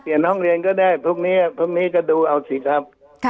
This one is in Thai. เปลี่ยนห้องเรียนก็ได้พรุ่งนี้ก็ดูเอาสิครับ